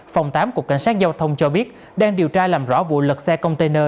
phòng tám cục cảnh sát giao thông cho biết đang điều tra làm rõ vụ lật xe container